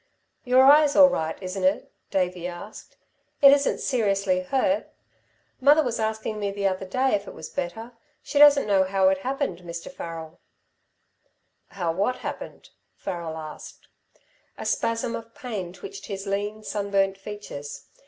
"Your eye's all right, isn't it?" Davey asked. "It isn't seriously hurt? Mother was asking me the other day if it was better. She doesn't know how it happened, Mr. Farrel." "How what happened?" Farrel asked. A spasm of pain twitched his lean, sunburnt features.